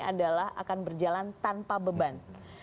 adalah akan berjalan tanpa beban